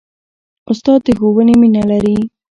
استاد د ښوونې مینه لري.